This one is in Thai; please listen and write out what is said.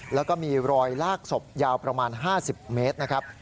แล้วก็มีรอยลากศพยาวประมาณ๕๐เมตรนะครับ